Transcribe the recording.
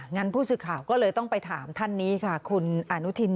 งั้นผู้สิทธิ์ข่าก็เลยต้องไปถามท่านคุณอานุทิน